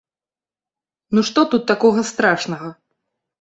Ну што тут такога страшнага?